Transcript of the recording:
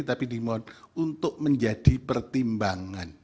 tapi dimohon untuk menjadi pertimbangan